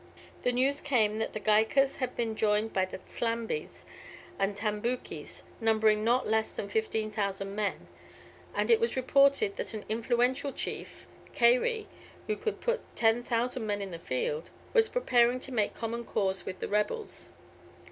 The news came that the Gaikas had been joined by the T'Slambies and Tambookies, numbering not less than 15,000 men; and it was reported that an influential chief Kairie who could put 10,000 men in the field, was preparing to make common cause with the rebels.